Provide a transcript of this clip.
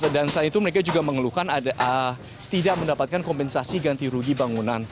dan saat itu mereka juga mengeluhkan tidak mendapatkan kompensasi ganti rugi bangunan